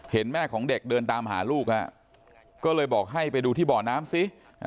เห็นแม่ของเด็กเดินตามหาลูกฮะก็เลยบอกให้ไปดูที่บ่อน้ำซิ